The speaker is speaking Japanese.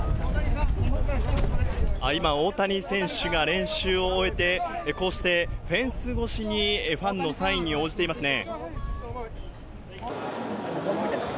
今、大谷選手が練習を終えて、こうしてフェンス越しにファンのサインに応じていますね。